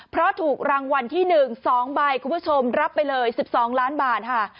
เพราะถูกรางวัลที่๑๒ใบคุณผู้ชมรับไปเลย๑๒ล้านบาทค่ะ